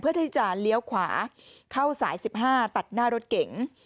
เพื่อที่จะเลี้ยวขวาเข้าสาย๑๕ตัดหน้ารถเก๋ง